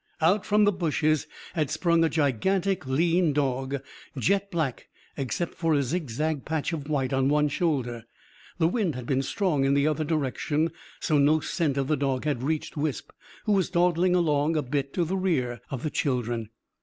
Out from the bushes had sprung a gigantic lean dog, jet black except for a zig zag patch of white on one shoulder. The wind had been strong in the other direction. So no scent of the dog had reached Wisp, who was dawdling along a bit to the rear of the children.